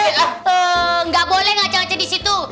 eh nggak boleh ngaca ngaca di situ